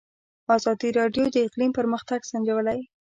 ازادي راډیو د اقلیم پرمختګ سنجولی.